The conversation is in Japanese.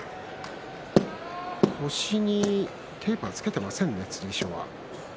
腰にテープはつけてませんね、剣翔は。